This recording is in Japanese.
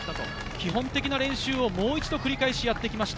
基本的な練習をもう一度、繰り返しやってきました。